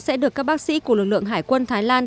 sẽ được các bác sĩ của lực lượng hải quân thái lan